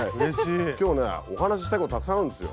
今日ねお話ししたいことたくさんあるんですよ。